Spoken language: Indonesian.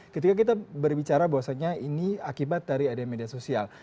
ketika kita berbicara bahwasanya ini akibat dari ada media sosial